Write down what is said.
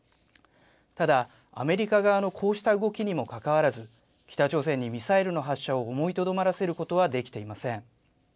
ただアメリカ側のこうした動きにもかかわらず、北朝鮮にミサイルの発射を思いとどまらせることはできていません。